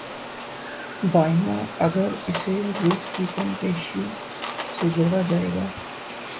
بایں ہمہ، اگر اسے رزق کی کم بیشی سے جوڑا جائے گا۔